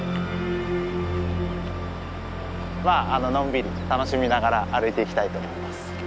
まあのんびり楽しみながら歩いていきたいと思います。